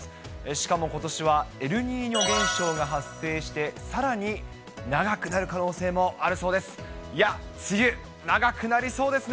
しかもことしは、エルニーニョ現象が発生して、さらに長くなる可能性もあるそうです。